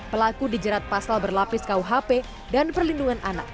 pelaku dijerat pasal berlapis kau hp dan perlindungan anak